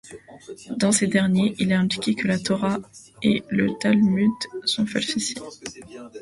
Dans ces derniers, il est indiqué que la Torah et le Talmud sont falsifiés.